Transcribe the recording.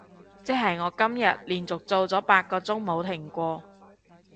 即係我今日連續做咗八個鐘冇停過